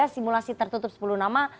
simulasi tertutup sepuluh nama